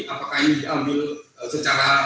apakah ini diambil secara